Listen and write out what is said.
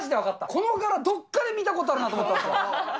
この柄、どっかで見たことあるなと思った。